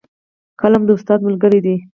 قلم د استاد ملګری دی